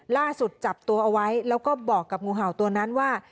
จับตัวเอาไว้แล้วก็บอกกับงูเห่าตัวนั้นว่า